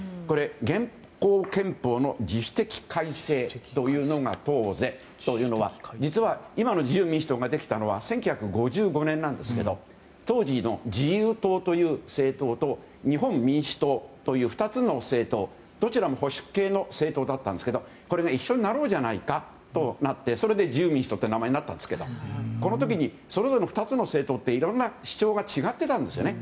現行憲法の自主的改正というのが党是というのは実は今の自由民主党ができたのは１９５５年なんですけど当時の自由党という政党と日本民主党という２つの政党、どちらも保守系の政党だったんですがこれが一緒になろうじゃないかとなってそれで自由民主党という名前になったんですけどこの時にそれぞれ２つの政党っていろんな主張が違っていたんですね。